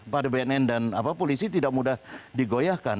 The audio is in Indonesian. pada bnn dan polisi tidak mudah digoyahkan